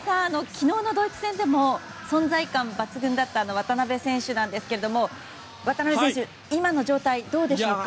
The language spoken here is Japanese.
昨日のドイツ戦でも存在感抜群だった渡邊選手ですが今の状態どうでしょうか。